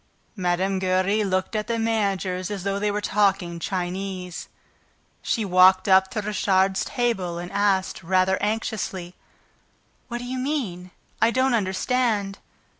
Mme. Giry looked at the managers as though they were talking Chinese. She walked up to Richard's table and asked, rather anxiously: "What do you mean? I don't understand."